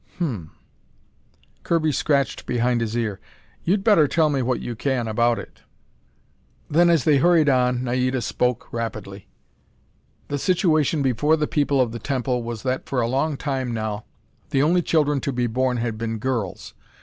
"Hum." Kirby scratched behind his ear. "You'd better tell me what you can about it." Then, as they hurried on, Naida spoke rapidly. The situation before the People of the Temple was that for a long time now, the only children to be born had been girls.